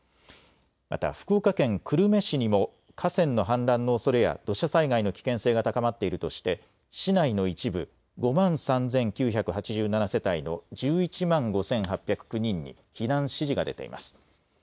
また福岡県久留米市にも河川の氾濫のおそれや土砂災害の危険性が高まっているとして市内の一部５万３９８７世帯の１１万５８０９人に避難指示が出ています。